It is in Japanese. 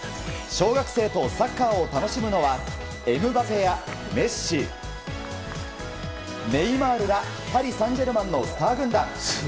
小学生とサッカーを楽しむのはエムバペやメッシ、ネイマールらパリ・サンジェルマンのスター軍団。